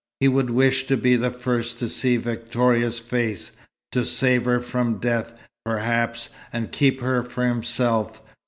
He would wish to be the first to see Victoria's face, to save her from death, perhaps, and keep her for himself.